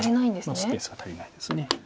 スペースが足りないです。